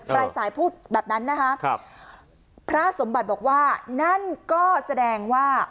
ปลายสายพูดแบบนั้นนะคะครับพระสมบัติบอกว่านั่นก็แสดงว่า